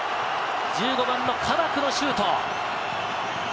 １５番のカバクのシュート。